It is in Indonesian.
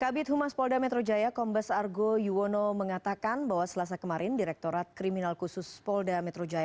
kabit humas polda metro jaya kombes argo yuwono mengatakan bahwa selasa kemarin direktorat kriminal khusus polda metro jaya